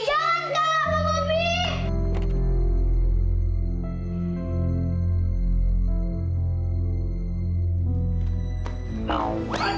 jangan kak aku mau bilangin